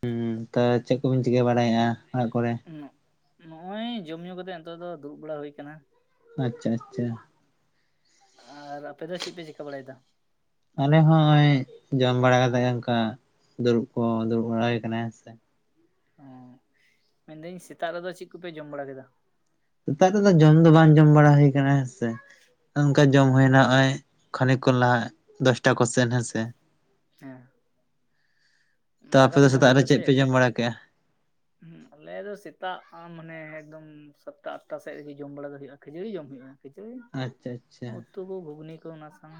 ᱦᱩᱸ ᱛᱟ ᱪᱮᱫ ᱠᱚᱵᱤᱱ ᱪᱤᱠᱟᱹ ᱵᱟᱲᱟᱭᱮᱜ-ᱟ ᱚᱲᱟᱜ ᱠᱚᱨᱮ? ᱱᱚᱜ-ᱚᱭ ᱡᱚᱢ ᱧᱩ ᱠᱟᱛᱮᱜ ᱱᱮᱛᱚᱜ ᱫᱚ ᱫᱩᱲᱩᱵ ᱵᱟᱲᱟ ᱦᱩᱭ ᱟᱠᱟᱱᱟ ᱟᱪᱪᱷᱟ ᱟᱪᱪᱷᱟ ᱟᱨ ᱟᱯᱮ ᱫᱚ ᱪᱤᱫ ᱯᱮ ᱪᱤᱠᱟ ᱵᱟᱲᱟᱭᱮᱫᱟ? ᱟᱞᱮ ᱦᱚᱸ ᱦᱚᱸᱜ-ᱚᱭ ᱡᱚᱢ ᱵᱟᱲᱟ ᱠᱟᱛᱮ ᱚᱱᱠᱟ ᱫᱩᱲᱩᱵ ᱠᱚ ᱫᱩᱲᱩᱵ ᱵᱟᱲᱟ ᱦᱩᱭ ᱟᱠᱟᱱᱟ ᱦᱮᱸᱥᱮ ᱚᱸ ᱢᱮᱱᱫᱟᱹᱧ ᱥᱮᱛᱟᱜ ᱨᱮᱫᱚ ᱪᱮᱫ ᱠᱩᱯᱮ ᱡᱚᱢ ᱵᱟᱲᱟ ᱠᱮᱫᱟ? ᱥᱮᱛᱟᱜ ᱨᱮᱫᱚ ᱡᱚᱢ ᱫᱚ ᱵᱟᱝ ᱡᱚᱢ ᱵᱟᱲᱟ ᱦᱩᱭ ᱟᱠᱟᱱᱟ ᱦᱮᱸ ᱥᱮ ᱱᱚᱱᱠᱟ ᱡᱚᱢ ᱦᱩᱭᱮᱱᱟ ᱱᱚᱜᱼᱚᱭ ᱠᱷᱟᱱᱤᱠ ᱠᱷᱚᱱ ᱞᱟᱦᱟ ᱫᱚᱥᱴᱟ ᱠᱚᱥᱮᱱ ᱦᱮᱸᱥᱮ ᱦᱮᱸ ᱛᱚ ᱟᱯᱮ ᱫᱟᱠᱟ ᱫᱚ ᱯᱮ ᱡᱚᱢ ᱥᱮᱛᱟᱜ ᱨᱮ ᱠᱮᱫᱟ ᱪᱮᱫ ᱥᱮ ᱯᱮ ᱡᱚᱢ ᱵᱟᱲᱟ ᱠᱮᱜᱼᱟ? ᱾ ᱦᱮᱸ ᱟᱞᱮ ᱫᱚ ᱥᱮᱛᱟᱜ ᱟ ᱢᱟᱱᱮ ᱮᱠᱫᱚᱢ ᱥᱚᱛᱴᱟ ᱟᱴᱟ ᱥᱮᱫ ᱨᱮᱜᱮ ᱡᱚᱢ ᱵᱟᱲᱟ ᱫᱚ ᱦᱩᱭᱩᱜᱼᱟ ᱾ ᱠᱷᱟᱡᱟᱹᱲᱤ ᱡᱚᱢ ᱦᱩᱭᱩᱜᱼᱟ ᱟᱪᱪᱷᱟ ᱟᱪᱪᱷᱟ [unintelligible] ᱩᱛᱩ ᱠᱚ, ᱜᱷᱩᱜᱽᱱᱤ ᱠᱚ ᱚᱱᱟ ᱥᱟᱶ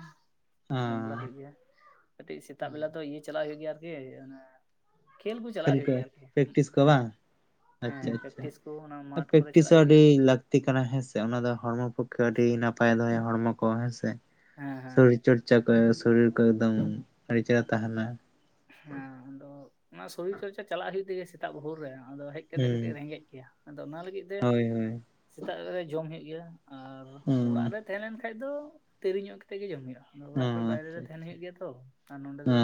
ᱡᱚᱢ ᱵᱟᱲᱟ ᱦᱩᱭᱩᱜ ᱚ ᱜᱮᱭᱟ ᱠᱟᱹᱴᱤᱡ ᱥᱮᱛᱟᱜ ᱵᱮᱞᱟ ᱫᱚ ᱤᱭᱟᱹ ᱪᱟᱞᱟᱜ ᱦᱩᱭᱩᱜ ᱜᱮᱭᱟ ᱟᱨᱠᱤ ᱚᱱᱟᱼ ᱠᱷᱮᱞ ᱠᱚ ᱪᱟᱞᱟᱜ ᱦᱩᱭᱩᱜ ᱜᱮᱭᱟ ᱟᱨᱠᱤ ᱯᱨᱮᱠᱴᱤᱥ ᱠᱚ ᱵᱟᱝ ᱦᱮᱸ ᱟᱪᱪᱷᱟ ᱦᱮᱸ ᱟᱪᱪᱷᱟ ᱯᱮᱠᱴᱤᱥ ᱠᱚ ᱚᱱᱟ ᱢᱟᱴᱷ ᱠᱚᱨᱮ ᱯᱨᱮᱠᱴᱤᱥ ᱪᱟᱞᱟᱜ ᱦᱚᱸ ᱦᱩᱭᱩᱜ ᱟᱹᱰᱤ ᱜᱮᱭᱟ ᱛᱚ ᱞᱟᱹᱠᱛᱤ ᱠᱟᱱᱟ ᱦᱮᱸ ᱥᱮ ᱾ ᱚᱱᱟ ᱫᱚ ᱦᱚᱲᱢᱚ ᱯᱚᱠᱠᱷᱮ ᱟᱹᱰᱤ ᱱᱟᱯᱟᱭ ᱫᱚᱦᱚᱭᱟ ᱦᱚᱲᱢᱚ ᱠᱚ ᱦᱮᱸ ᱥᱮ ᱦᱮᱸ ᱾ ᱦᱮᱸ ᱥᱚᱨᱤᱨ ᱪᱚᱨᱪᱟ ᱼᱚᱨᱪᱟ ᱠᱚ ᱥᱚᱨᱤᱨ ᱠᱚ ᱮᱠᱫᱚᱢ ᱟᱹᱰᱤ ᱪᱮᱦᱮᱨᱟ ᱛᱟᱦᱮᱱᱟ ᱾ ᱦᱮᱸ ᱟᱫᱚ ᱚᱱᱟ ᱥᱚᱨᱤᱨ ᱪᱚᱨᱪᱟ ᱪᱟᱞᱟᱜ ᱦᱩᱭᱩᱜ ᱛᱮᱜᱮ ᱥᱮᱛᱟᱜ ᱵᱷᱳᱨ ᱨᱮ ᱟᱫᱚ ᱦᱮᱡ ᱠᱟᱛᱮ ᱦᱩᱸ ᱠᱟᱹᱴᱤᱡ ᱨᱮᱸᱜᱮᱡ ᱜᱮᱭᱟ ᱟᱫᱚ ᱚᱱᱟ ᱞᱟᱹᱜᱤᱫ ᱛᱮ ᱦᱳᱭ ᱦᱳᱭ ᱥᱮᱛᱟᱜ ᱨᱮ ᱡᱚᱢ ᱦᱩᱭᱩᱜ ᱜᱮᱭᱟ ᱟᱨ ᱦᱩᱸ ᱚᱲᱟᱜ ᱨᱮ ᱛᱟᱦᱮᱸ ᱞᱮᱱ ᱠᱷᱟᱡ ᱫᱚ ᱫᱮᱨᱤ ᱧᱚᱜ ᱠᱟᱛᱮᱫ ᱜᱮ ᱡᱚᱢ ᱦᱩᱭᱩᱜᱼᱟ ᱾ ᱚ ᱚᱲᱟᱜ ᱠᱷᱚᱡ ᱵᱟᱭᱨᱮ ᱟᱪᱪᱷᱟ ᱨᱮ ᱛᱟᱦᱮᱱ ᱟᱪᱪᱷᱟ ᱦᱳᱭᱳᱜ ᱜᱮᱭᱟ ᱛᱚ ᱟᱨ ᱱᱚᱰᱮ ᱚ ᱫᱚ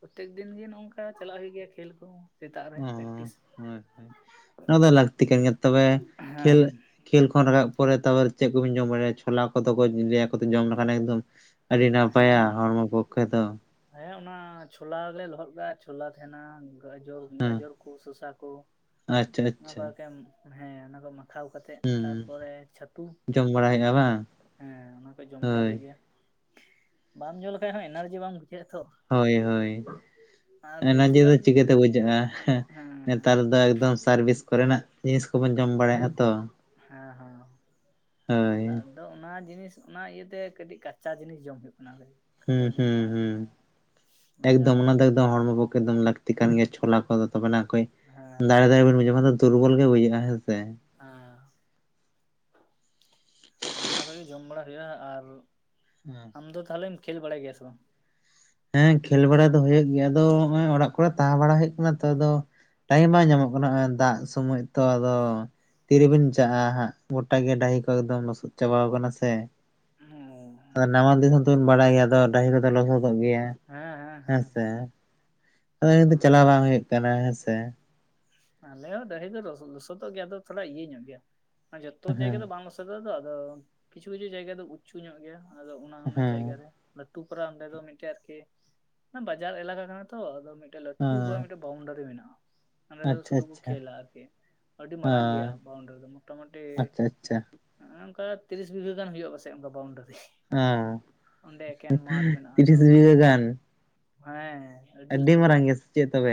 ᱯᱨᱚᱛᱛᱮᱠ ᱫᱤᱱ ᱜᱮ ᱱᱚᱝᱠᱟ ᱪᱟᱞᱟᱜ ᱦᱩᱭᱩᱜ ᱜᱮᱭᱟ ᱠᱷᱮᱞ ᱠᱩ ᱚ ᱟᱪᱪᱷᱟ ᱱᱚᱣᱟ ᱫᱚ ᱞᱟᱹᱠᱛᱤ ᱠᱟᱱ ᱜᱮᱭᱟ ᱛᱚᱵᱮ, ᱠᱷᱮᱞ ᱦᱮᱸ ᱠᱷᱮᱞ ᱠᱷᱚᱱ ᱨᱟᱠᱟᱵ ᱯᱚᱨᱮ ᱛᱚᱵᱮ ᱪᱮᱫ ᱠᱚᱵᱤᱱ ᱡᱚᱢ ᱵᱟᱲᱟᱭᱟ ᱪᱷᱚᱞᱟ ᱠᱚᱫᱚ ᱠᱚ ᱞᱟᱹᱭᱟ ᱟᱠᱚ ᱛᱚ ᱡᱚᱢ ᱞᱮᱠᱷᱟᱱ ᱮᱠᱫᱚᱢ ᱟᱹᱰᱤ ᱱᱟᱯᱟᱭᱟ ᱦᱮᱸ ᱦᱚᱲᱢᱚ ᱯᱚᱠᱠᱷᱮ ᱫᱚ ᱾ ᱦᱮᱸ ᱚᱱᱟ ᱪᱷᱳᱞᱟ ᱜᱮᱞᱮ ᱞᱚᱦᱚᱫ ᱠᱮᱫᱟᱜᱼᱟ ᱪᱷᱳᱞᱟ ᱛᱟᱦᱮᱱᱟ ᱜᱟᱡᱚᱨ, ᱦᱮᱸ ᱜᱟᱡᱚᱨ ᱠᱚ ᱠᱚ ᱥᱚᱥᱟ ᱠᱚ ᱟᱪᱪᱷᱟ ᱟᱪᱪᱷᱟ ᱠᱚ ᱦᱮᱸ ᱚᱱᱟ ᱠᱚ ᱢᱟᱠᱷᱟᱣ ᱠᱟᱛᱮ ᱛᱮᱫ ᱦᱩᱸ ᱛᱟᱨᱯᱚᱨᱮ ᱪᱷᱟᱹᱛᱩ ᱡᱚᱢ ᱵᱟᱲᱟ ᱦᱩᱭᱩᱜᱼᱟ ᱵᱟᱝ ᱦᱮᱸ ᱚᱱᱟ ᱠᱚ ᱡᱚᱢ ᱵᱟᱲᱟ ᱦᱳᱭ ᱦᱩᱭᱩᱜ ᱜᱮᱭᱟ ᱵᱟᱢ ᱡᱚᱢ ᱞᱮᱠᱷᱟᱡ ᱦᱚᱸ ᱮᱱᱟᱨᱡᱤ ᱵᱟᱢ ᱵᱩᱡᱷᱟᱹᱜᱼᱟ ᱛᱚ ᱦᱳᱭ ᱦᱳᱭ ᱟᱨ ᱢᱚᱱᱮ ᱵᱮᱥᱤᱨ ᱡᱤᱣᱤ ᱵᱷᱟᱜᱽ ᱪᱤᱠᱟᱹᱛᱮ ᱵᱩᱡᱷᱟᱹᱜᱼᱟ ᱦᱮᱸ ᱾ ᱱᱮᱛᱟᱨ ᱫᱚ ᱮᱠᱫᱚᱢ ᱥᱟᱨᱵᱷᱤᱥ ᱠᱚᱨᱮᱱᱟᱜ ᱡᱤᱱᱤᱥ ᱠᱚᱵᱤᱱ ᱡᱚᱢ ᱵᱟᱲᱟᱭ ᱮᱸ ᱛᱚ ᱦᱮᱸ ᱦᱮᱸ ᱦᱳᱭ ᱟᱫᱚ ᱚᱱᱟ ᱡᱤᱱᱤᱥ ᱚᱱᱟ ᱤᱭᱟᱹᱛᱮ ᱠᱟᱹᱴᱤᱡ ᱠᱟᱪᱟ ᱡᱤᱱᱤᱥ ᱡᱚᱢ ᱦᱩᱭᱩᱜ ᱠᱟᱱᱟ ᱾ ᱦᱩᱸ ᱦᱩᱸ ᱦᱩᱸ ᱾ ᱢᱟᱡᱟᱞ ᱮᱠᱫᱚᱢ ᱚᱱᱟ ᱫᱚ ᱮᱠᱫᱚᱢ ᱦᱚᱲᱢᱚ ᱯᱚᱠᱮ ᱮᱠᱫᱚᱢ ᱞᱟᱹᱠᱛᱤ ᱞᱟᱹᱠᱛᱤ ᱠᱟᱱ ᱜᱮᱭᱟ ᱪᱷᱚᱞᱟ ᱠᱚᱫᱚ ᱛᱚᱵᱮ ᱚᱠᱚᱭ ᱦᱮᱸ ᱫᱟᱲᱮ ᱫᱟᱲᱮ ᱵᱮᱱ ᱵᱩᱡᱷᱟᱹᱣᱟ ᱾ ᱢᱟᱱᱮ ᱫᱩᱨᱵᱚᱞ ᱜᱮ ᱵᱩᱡᱷᱟᱹᱜᱼᱟ ᱦᱮᱸ ᱥᱮ ᱟᱸᱻ ᱚᱱᱟ ᱠᱚᱜᱮ ᱡᱚᱢ ᱵᱟᱲᱟ ᱦᱩᱭᱩᱜᱼᱟ ᱟᱨ ᱦᱩᱸ ᱟᱢ ᱫᱚ ᱛᱟᱦᱚᱞᱮᱢ ᱠᱷᱮᱞ ᱵᱟᱲᱟᱭ ᱜᱮᱭᱟ ᱥᱮ ᱵᱟᱝ? ᱦᱮᱸ ᱠᱷᱮᱞ ᱵᱟᱲᱟ ᱫᱚ ᱦᱩᱭᱩᱜ ᱜᱮᱭᱟ ᱾ ᱟᱫᱚ ᱱᱚᱜᱼᱚᱭ ᱚᱲᱟᱜ ᱠᱚᱨᱮ ᱛᱟᱦᱮᱸ ᱵᱟᱲᱟ ᱦᱩᱭᱩᱜ ᱠᱟᱱᱟ ᱛᱚ ᱟᱫᱚ ᱴᱟᱭᱤᱢ ᱵᱟᱝ ᱧᱟᱢᱚᱜ ᱠᱟᱱᱟ ᱟᱨ ᱫᱟᱜ ᱥᱚᱢᱚᱭ ᱛᱚ ᱟᱫᱚ ᱛᱤᱨᱮᱵᱮᱱ ᱪᱟᱜᱼᱟ ᱦᱟᱸᱜ ᱜᱚᱴᱟ ᱜᱮ ᱰᱟᱹᱦᱤ ᱠᱚ ᱮᱠᱫᱚᱢ ᱞᱚᱥᱚᱫ ᱪᱟᱵᱟᱣ ᱠᱟᱱᱟ ᱥᱮ, ᱟᱫᱚ ᱱᱟᱣᱟ ᱫᱤᱥᱚᱢ ᱫᱚᱵᱟᱧ ᱵᱟᱲᱟᱭ ᱜᱮᱭᱟ ᱟᱫᱚ ᱰᱟᱹᱦᱤ ᱠᱚᱫᱚ ᱞᱚᱥᱚᱫᱚᱜ ᱜᱮᱭᱟ ᱦᱮᱸ ᱦᱮᱸ ᱦᱮᱸ ᱦᱮᱸᱥᱮ [unintelligible] ᱫᱚ ᱪᱟᱞᱟᱣ ᱵᱟᱝ ᱦᱩᱭᱩᱜ ᱠᱟᱱᱟ ᱦᱮᱸᱥᱮ ᱾ ᱟᱞᱮ ᱦᱚᱸ ᱰᱟᱹᱦᱤ ᱞᱚᱥᱚᱫᱚᱜ ᱜᱮᱭᱟ ᱟᱫᱚ ᱛᱷᱚᱲᱟ ᱤᱭᱟᱹ ᱧᱚᱜ ᱜᱮᱭᱟ ᱡᱚᱛᱚ ᱡᱟᱭᱜᱟ ᱫᱚ ᱦᱮᱸ ᱵᱟᱝ ᱞᱚᱥᱜᱼ ᱫᱚ ᱟᱫᱚ ᱠᱤᱪᱷᱩ ᱠᱤᱪᱷᱩ ᱡᱟᱭᱜᱟ ᱫᱚ ᱩᱪᱩ ᱧᱚᱜ ᱜᱮᱭᱟ ᱟᱫᱚ ᱚᱱᱟ ᱚᱱᱟ ᱦᱮᱸ ᱡᱟᱭᱜᱟ ᱨᱮ ᱼᱴᱩ ᱯᱟᱨᱟ ᱚᱸᱰᱮ ᱫᱚ ᱢᱤᱫᱴᱮᱡ ᱟᱨᱠᱤ, ᱢᱟᱱᱮ ᱵᱟᱡᱟᱨ ᱮᱞᱟᱠᱟ ᱠᱟᱱᱟ ᱛᱚ ᱟᱫᱚᱴᱮᱡ ᱞᱴᱩ ᱦᱮᱸ ᱯᱟᱨᱟ ᱵᱟᱣᱩᱱᱰᱟᱨᱤ ᱢᱮᱱᱟᱜᱼᱟ ᱚᱸᱰᱮ ᱫᱚ ᱟᱪᱪᱷᱟ ᱥᱩᱫᱩ ᱠᱚ ᱟᱪᱪᱷᱟ ᱠᱷᱮᱞᱟ ᱟᱨᱠᱤ ᱾ ᱟᱹᱰᱤ ᱢᱟᱨᱟᱝ ᱜᱮᱭᱟ ᱵᱟᱩᱱᱰ ᱨᱮ ᱫᱚ ᱢᱳᱴᱟᱢᱩᱴᱤ ᱟᱪᱪᱷᱟ ᱟᱪᱪᱷᱟ ᱚᱱᱠᱟ ᱛᱤᱨᱤᱥ ᱵᱤᱷᱟᱹ ᱜᱟᱱ ᱦᱩᱭᱩᱜᱼᱟ ᱯᱟᱥᱮᱡ ᱚᱱᱠᱟ ᱵᱟᱣᱩᱱᱰᱟᱨᱤ ᱾ ᱚᱻ ᱢᱮᱱᱟᱜᱼᱟ ᱟᱫᱚ ᱛᱤᱨᱤᱥ ᱵᱤᱜᱷᱟᱹ ᱜᱟᱱ ᱦᱮᱸ ᱟᱹᱰᱤ ᱞᱟᱹᱴᱩ ᱜᱮᱭᱟ, ᱢᱟᱨᱟᱝ ᱥᱮ ᱪᱮᱫ ᱛᱚᱵᱮ